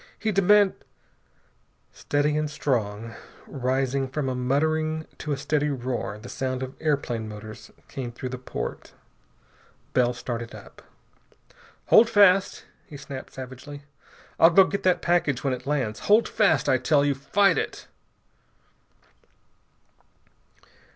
He deman "Steady and strong, rising from a muttering to a steady roar, the sound of airplane motors came through the port. Bell started up. "Hold fast," he snapped savagely. "I'll go get that package when it lands. Hold fast, I tell you! Fight it!"